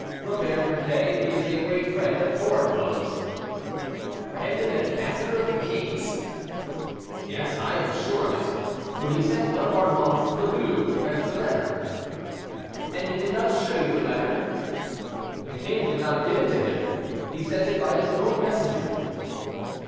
"Robert Briquet; he is a great friend of Gorenflot's." "And an ambassador of the king's?" "Yes; I am sure of it; for he sent one of our monks to the Louvre to fetch the letter." "And he did not show you the letter?" "The king did not give it to him; he sent it by his own messenger."